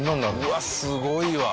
うわっすごいわ。